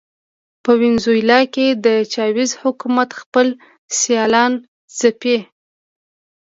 په وینزویلا کې د چاوېز حکومت خپل سیالان ځپي.